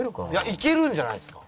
いけるんじゃないですか。